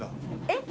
えっ？